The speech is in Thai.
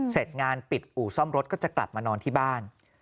เสร็จงานปิดอู่ซ่อมรถก็จะกลับมานอนที่บ้าน